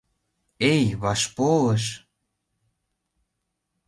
— Эй, вашполыш!